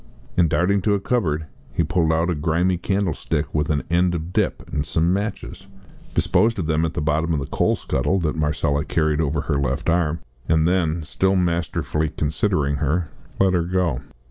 And darting to a cupboard he pulled out a grimy candlestick with an end of dip and some matches, disposed of them at the bottom of the coal scuttle that Marcella carried over her left arm, and then, still masterfully considering her, let her go.